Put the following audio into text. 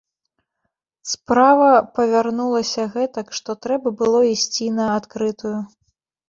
Справа павярнулася гэтак, што трэба было ісці на адкрытую.